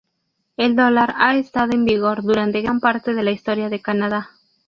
El dólar ha estado en vigor durante gran parte de la historia de Canadá.